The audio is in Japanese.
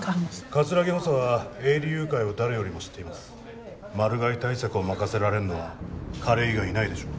葛城補佐は営利誘拐を誰よりも知っていますマル害対策を任せられんのは彼以外いないでしょ